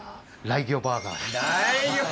ライギョバーガー！